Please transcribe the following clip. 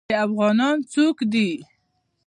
چې افغانان څوک دي.